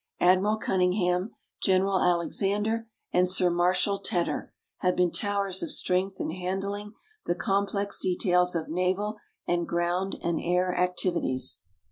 Admiral Cunningham, General Alexander and Sir Marshal Tedder have been towers of strength in handling the complex details of naval and ground and air activities.